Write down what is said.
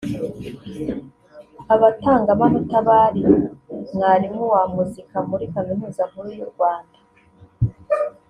Abatangamanota bari Mwalimu wa muzika muri Kaminuza Nkuru y’u Rwanda